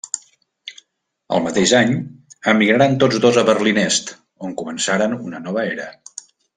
El mateix any emigraren tots dos a Berlín Est, on començaren una nova era.